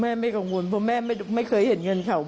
ไม่กังวลเพราะแม่ไม่เคยเห็นเงินเขา